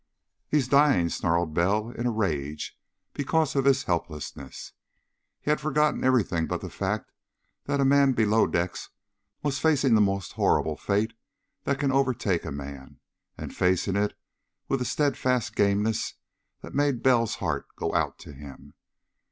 "He's dying!" snarled Bell, in a rage because of his helplessness. He had forgotten everything but the fact that a man below decks was facing the most horrible fate that can overtake a man, and facing it with a steadfast gameness that made Bell's heart go out to him.